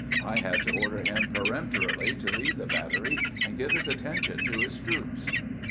I had to order him peremptorily to leave the battery and give his at tention to his troops."